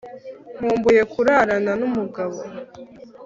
nkumbuye kurarana n'umugabo